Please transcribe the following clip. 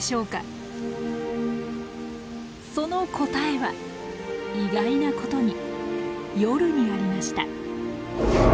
その答えは意外なことに夜にありました。